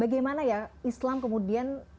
bagaimana ya islam kemudian